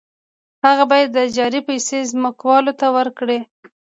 هغه باید د اجارې پیسې ځمکوال ته ورکړي